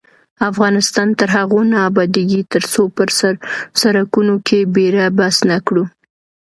افغانستان تر هغو نه ابادیږي، ترڅو په سرکونو کې بیړه بس نکړو.